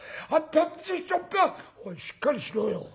「おいしっかりしろよ。